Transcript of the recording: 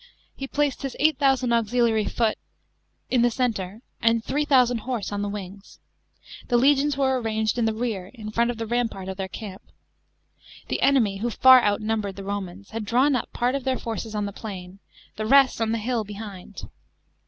He place 1 his 8000 auxiliary f«*>t in the centre, and 3 00 horse on the wi> gs. The legions were ranged in the rear, in front of the rampart of their camp. The enemy, who far outnuml>ere<l the Romans, had drawn up part of their forces on the plain, the rest on the hill hehind.